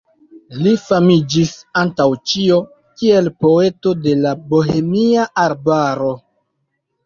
Li famiĝis antaŭ ĉio kiel "poeto de la Bohemia arbaro".